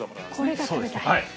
これが食べたい。